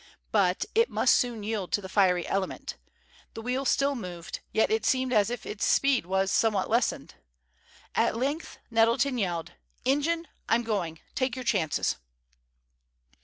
But, it must soon yield to the fiery element. The wheel still moved; yet it seemed as if its speed was somewhat lessened. At length Nettleton yelled: "Ingen, I'm going; take your chances!"